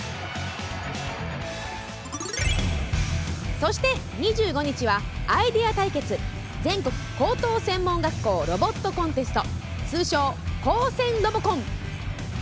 そして、２５日は「アイデア対決全国高等専門学校ロボットコンテスト」通称「高専ロボコン」！